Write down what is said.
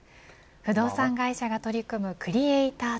不動産会社が取り組むクリエイター